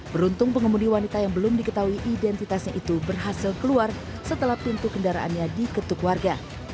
beruntung pengemudi wanita yang belum diketahui identitasnya itu berhasil keluar setelah pintu kendaraannya diketuk warga